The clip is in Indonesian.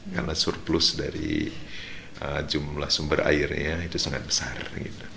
karena surplus dari jumlah sumber airnya itu sangat besar